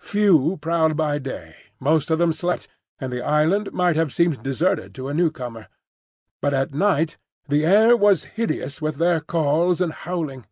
Few prowled by day, most of them slept, and the island might have seemed deserted to a new comer; but at night the air was hideous with their calls and howling.